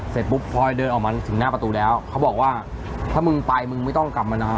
เสร็จปุ๊บพลอยเดินออกมาถึงหน้าประตูแล้วเขาบอกว่าถ้ามึงไปมึงไม่ต้องกลับมานะฮะ